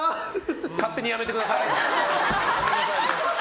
勝手にやめてください。